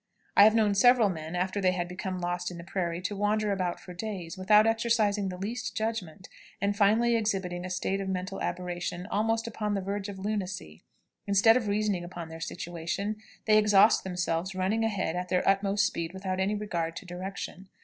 I have known several men, after they had become lost in the prairies, to wander about for days without exercising the least judgment, and finally exhibiting a state of mental aberration almost upon the verge of lunacy. Instead of reasoning upon their situation, they exhaust themselves running a head at their utmost speed without any regard to direction.